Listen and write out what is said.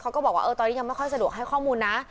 ก็บอกว่าตอนนี้ยังไม่ค่อยสะดวกให้ข้อมูลนะ